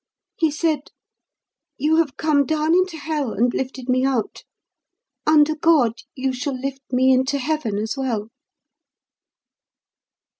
He said, 'You have come down into Hell and lifted me out. Under God, you shall lift me into Heaven as well!'"